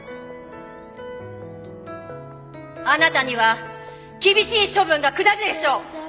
あなたには厳しい処分が下るでしょう！